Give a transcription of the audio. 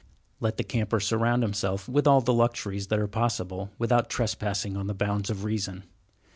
Let the camper surround himself with all the luxuries that are possible without trespassing on the bounds of reason.